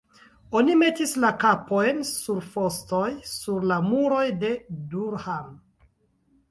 Oni metis la kapojn sur fostoj sur la muroj de Durham.